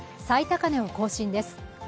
最高値を更新です。